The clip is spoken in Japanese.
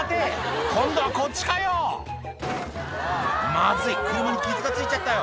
「まずい車に傷が付いちゃったよ」